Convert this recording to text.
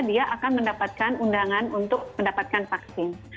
dia akan mendapatkan undangan untuk mendapatkan vaksin